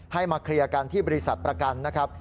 มาเคลียร์กันที่บริษัทประกันนะครับ